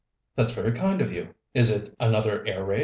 "That's very kind of you. Is it another air raid?"